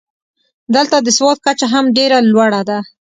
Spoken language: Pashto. دلته د سواد کچه هم ډېره لوړه ده.